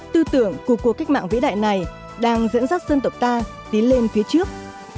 tư tưởng của cuộc cách mạng vĩ đại này đang dẫn dắt dân tộc ta tiến lên phía trước